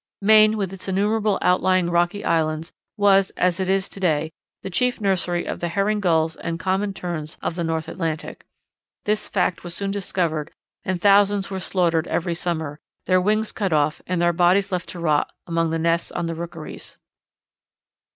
Maine with its innumerable out lying rocky islands was, as it is to day, the chief nursery of the Herring Gulls and Common Terns of the North Atlantic. This fact was soon discovered and thousands were slaughtered every summer, their wings cut off, and their bodies left to rot among the nests on the rookeries.